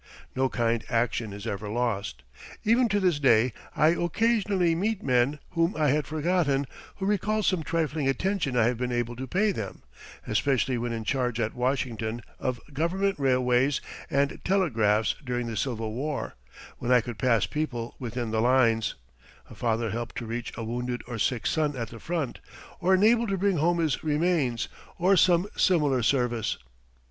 No kind action is ever lost. Even to this day I occasionally meet men whom I had forgotten, who recall some trifling attention I have been able to pay them, especially when in charge at Washington of government railways and telegraphs during the Civil War, when I could pass people within the lines a father helped to reach a wounded or sick son at the front, or enabled to bring home his remains, or some similar service.